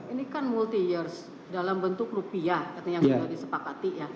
ini kan multi years dalam bentuk rupiah yang sudah disepakati ya